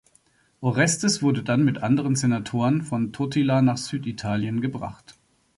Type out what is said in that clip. Orestes wurde dann mit anderen Senatoren von Totila nach Süditalien gebracht.